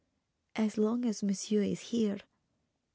as long as monsieur is here."